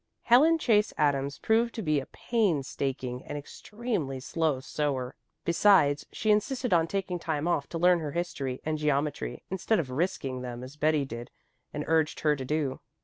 Helen Chase Adams proved to be a pains taking and extremely slow sewer. Besides, she insisted on taking time off to learn her history and geometry, instead of "risking" them as Betty did and urged her to do.